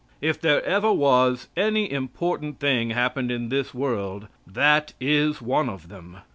If there ever was any important thing happened in this world, that is one of them.